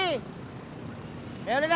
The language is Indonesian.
ya udah dah ya ntar aja